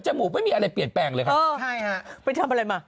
จมูกไม่มีอะไรเปลี่ยนแปลงเลยครับไปทำอะไรมา